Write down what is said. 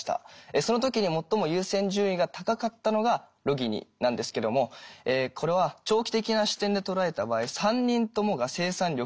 その時に最も優先順位が高かったのがロギニなんですけどもこれは長期的な視点で捉えた場合３人ともが生産力を持つマンパワー